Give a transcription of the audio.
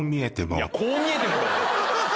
いや「こう見えても」だろ。